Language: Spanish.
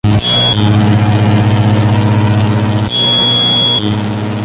Con diez metros de altura, presenta cinco plantas.